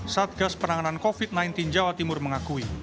satgas penanganan covid sembilan belas jawa timur mengakui